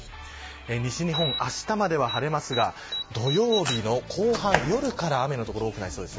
西日本はあしたまで晴れますが土曜日の後半、夜から雨の所が多くなりそうです。